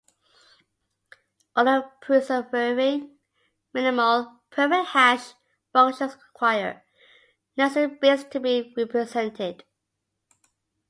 Order-preserving minimal perfect hash functions require necessarily bits to be represented.